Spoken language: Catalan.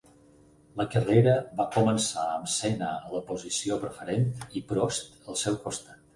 La carrera va començar amb Senna a la posició preferent i Prost al seu costat.